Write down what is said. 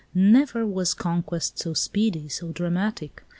Never was conquest so speedy, so dramatic.